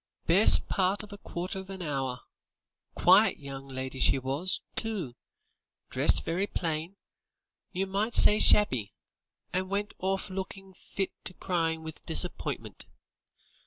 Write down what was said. "Best part of a quarter of a hour. Quiet young lady she was, too; dressed very plain; you might say shabby; and went orf lookin' fit to cry with disappointment.